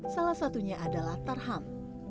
salah satunya adalah tarham